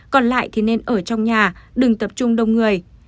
còn lại thì nên ở trong nhà đừng tập trung đông người